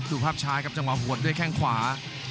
ดูภาพช้าครับจังหวะหัวด้วยแข้งขวา